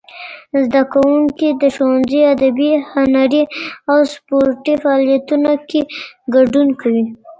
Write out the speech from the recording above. زدهکوونکي د ښوونځي ادبي، هنري او سپورتي فعالیتونو کي ګډون کوي.